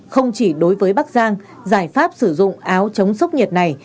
không chỉ đối với bắc giang giải pháp sử dụng áo chống sốc nhiệt này